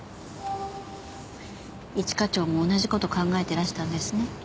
一課長も同じ事考えてらしたんですね。